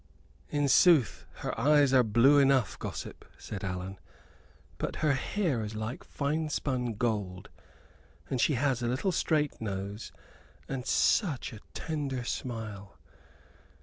"In sooth, her eyes are blue enough, gossip," said Allan; "but her hair is like finespun gold. And she has a little straight nose, and such a tender smile.